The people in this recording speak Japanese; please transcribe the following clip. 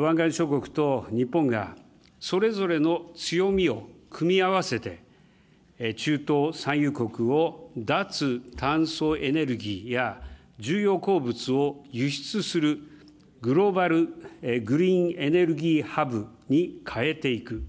湾岸諸国と日本が、それぞれの強みを組み合わせて、中東産油国を脱炭素エネルギーや重要鉱物を輸出するグローバルグリーンエネルギーハブに変えていく。